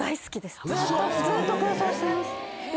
ずーっと空想してます。